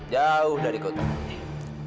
jauh dari kota ini